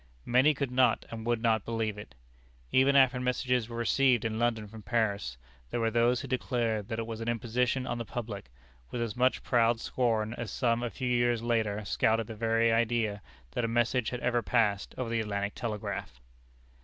Many could not and would not believe it. Even after messages were received in London from Paris, there were those who declared that it was an imposition on the public, with as much proud scorn as some a few years later scouted the very idea that a message had ever passed over the Atlantic Telegraph!